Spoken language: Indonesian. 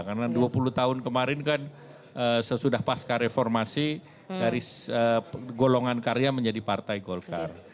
karena dua puluh tahun kemarin kan sesudah pasca reformasi dari golongan karya menjadi partai golkar